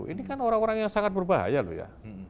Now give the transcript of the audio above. ini kan orang orang yang sangat berbahaya loh ya